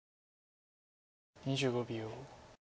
２５秒。